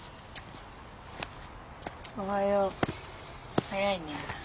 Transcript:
おはよう早いね。